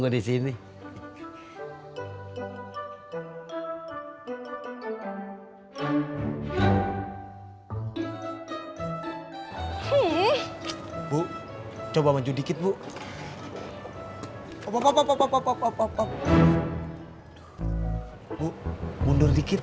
disini bu coba cuci book hai po pop aku lagi bu mundur dikit